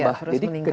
ya harus meningkat ya